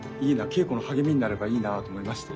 稽古の励みになればいいなと思いまして。